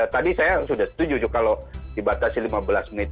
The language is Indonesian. tadi saya sudah setuju kalau dibatasi lima belas menit